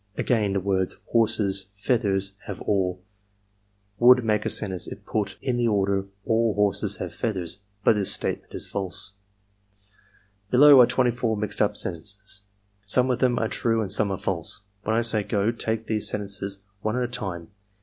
" 'Again, the words horses feathers have all would make a sentence if put in the order aU horses have feathers, but this statement is false. " 'Below are 24 mixed up sentences. Some of them are true and some are false. When I say "go," take these sentences one at a time.